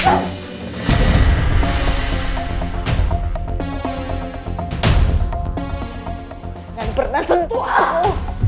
jangan pernah sentuh aku